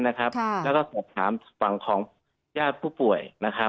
แล้วก็สอบถามฝั่งของญาติผู้ป่วย